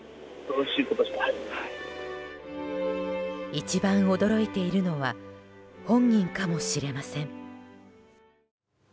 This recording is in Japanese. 一番驚いているのは本人かもしれません。